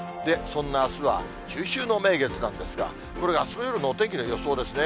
そんなあすは、中秋の名月なんですが、これがあすの夜のお天気の予想ですね。